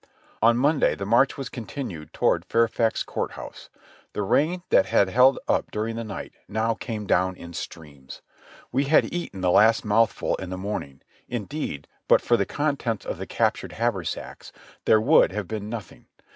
On Monday the march was continued toward Fairfax Court House ; the rain that had held up during the night now came down in streams. We had eaten the last mouthful in the morn ing; indeed, but for the contents of the captured haversacks there "would have been nothing.